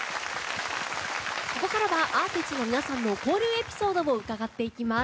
ここからはアーティストの皆さんの交流エピソードを伺っていきます。